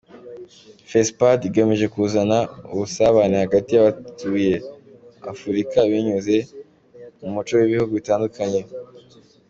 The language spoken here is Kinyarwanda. Fespad igamije kuzana ubusabane hagati y’abatuye Afurika binyuze mu muco w’ibihugu bitandukanye.